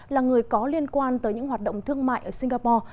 là người có liên quan tới những hoạt động thương mại ở singapore